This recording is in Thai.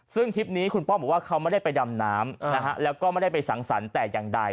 ซึ่งคลิปนี้คุณป้อมบอกว่าเขาไม่ได้ไปดำน้ำนะฮะแล้วก็ไม่ได้ไปสังสรรค์แต่อย่างใด